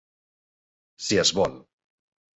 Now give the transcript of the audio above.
Si es vol.